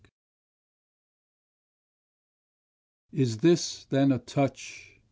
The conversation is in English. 28 Is this then a touch?